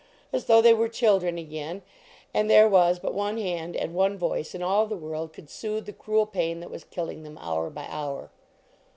" as though they were children again, and there was but one hand and one voice in all the world could soothe the cruel pain that was killing them hour by hour.